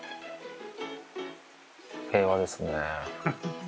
平和ですね。